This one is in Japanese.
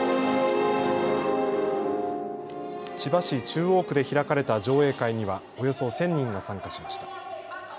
千葉市中央区で開かれた上映会にはおよそ１０００人が参加しました。